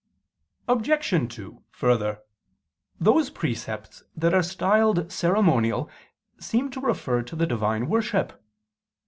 Obj. 2: Further, those precepts that are styled ceremonial seem to refer to the Divine worship.